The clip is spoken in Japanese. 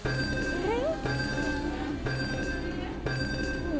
えっ。